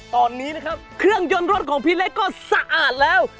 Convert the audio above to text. ตอนนี้นะครับเครื่องยนต์รถของพี่เล็กก็สะอาดแล้ว